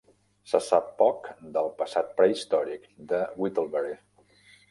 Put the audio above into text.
Se sap poc del passat prehistòric de Whittlebury.